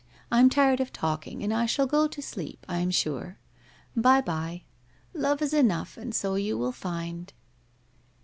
... I am tired of talking and I shall go to sleep, I am sure. ... By bye! Love is enough, and so you will find.